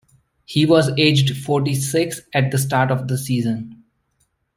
He was aged forty-six at the start of the season.